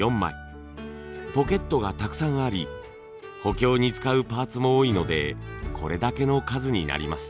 ポケットがたくさんあり補強に使うパーツも多いのでこれだけの数になります。